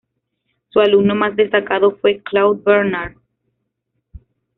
Su alumno más destacado fue Claude Bernard.